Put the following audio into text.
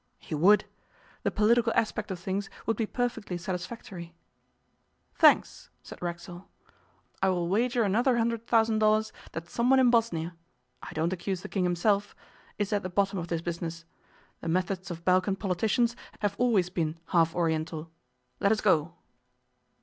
'He would. The political aspect of things would be perfectly satisfactory.' 'Thanks!' said Racksole. 'I will wager another hundred thousand dollars that someone in Bosnia I don't accuse the King himself is at the bottom of this business. The methods of Balkan politicians have always been half Oriental. Let us go.